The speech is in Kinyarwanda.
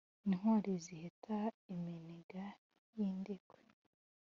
intwari ziheta iminega y’ indekwe